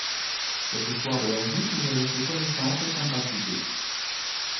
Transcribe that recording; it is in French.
C’est au soir de leur vie qu’ils avaient fait connaissance et sympathisé.